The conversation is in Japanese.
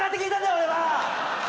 俺は！